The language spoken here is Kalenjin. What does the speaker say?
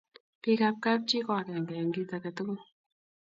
bik ab kap chi ko akenge eng kit akatugul